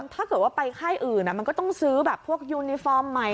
ถ้าเกิดว่าไปค่ายอื่นมันก็ต้องซื้อแบบพวกยูนิฟอร์มใหม่